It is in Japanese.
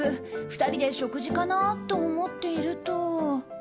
２人で食事かなと思っていると。